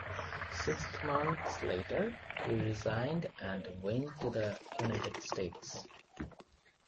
Six months later, he resigned and went to the United States.